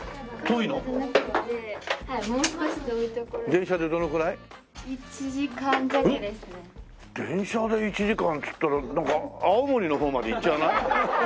電車で１時間っつったらなんか青森のほうまで行っちゃわない？